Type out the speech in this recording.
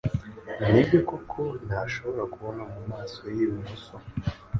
Nibyo koko ntashobora kubona mumaso ye yibumoso?